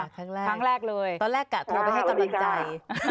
ครั้งแรกครั้งแรกเลยตอนแรกกะโทรไปให้กำลังใจ